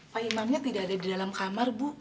pak imamnya tidak ada di dalam kamar bu